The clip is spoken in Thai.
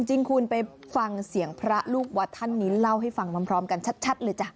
จริงคุณไปฟังเสียงพระลูกวัดท่านนี้เล่าให้ฟังพร้อมกันชัดเลยจ้ะ